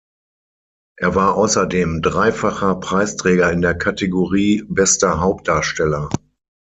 Er war außerdem dreifacher Preisträger in der Kategorie "Bester Hauptdarsteller".